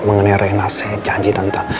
mengenai rina saya janji tante